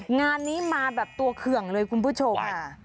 งานนี้มาแบบตัวเคืองเลยคุณผู้ชม